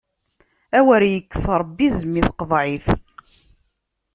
Awer ikkes Ṛebbi izem i teqḍiɛt!